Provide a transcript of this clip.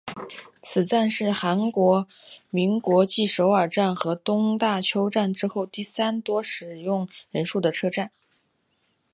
此站是大韩民国继首尔站和东大邱站之后第三多使用人数的车站。